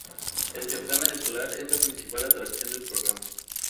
El certamen escolar es la principal atracción del programa.